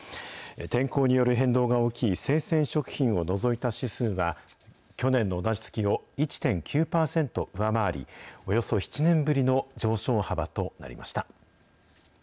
天候による変動が大きい生鮮食品を除いた指数は、去年の同じ月を１．９％上回り、およそ７年ぶりの上昇幅となりました。